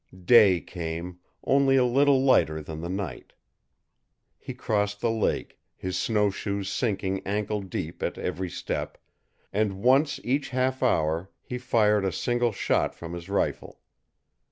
Day came, only a little lighter than the night. He crossed the lake, his snow shoes sinking ankle deep at every step, and once each half hour he fired a single shot from his rifle.